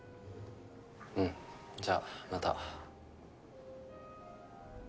うんじゃあまた。